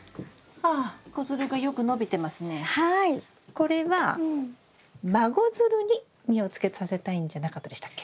これは孫づるに実をつけさせたいんじゃなかったでしたっけ？